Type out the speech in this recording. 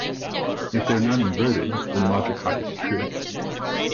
If they are not inverted, then logic high is true.